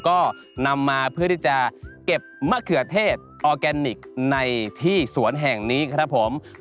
ก็นำมาเพื่อที่จะเก็บมะเขือเทศออร์แกนิคในที่สวนแห่งนี้ครับผม